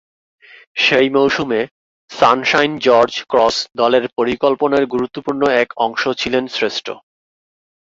সেই মৌসুমে, Sunshine George Cross দলের পরিকল্পনার গুরুত্বপূর্ণ এক অংশ ছিলেন শ্রেষ্ঠ।